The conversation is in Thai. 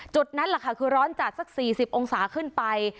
จุดนั้นคือร้อนจากสัก๔๐องศาขึ้นไป